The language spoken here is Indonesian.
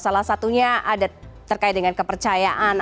salah satunya ada terkait dengan kepercayaan